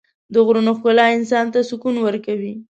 د غرونو ښکلا انسان ته سکون ورکوي.